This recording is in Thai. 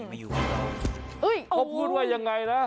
เขาพูดว่ายังไงนะ